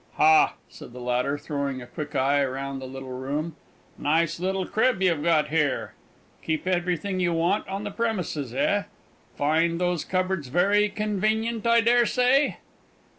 "Ha!" said the latter, throwing a quick eye round the little room. "Nice little crib you've got here. Keep everything you want on the premises, eh? Find those cupboards very convenient, I dare say?"